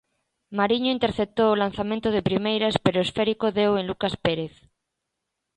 Mariño interceptou o lanzamento de primeiras pero o esférico deu en Lucas Pérez.